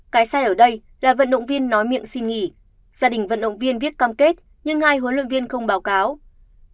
cái sai ở đây là vận động viên nói miệng xin nghỉ gia đình vận động viên viết cam kết nhưng hai huấn luyện viên không báo cáo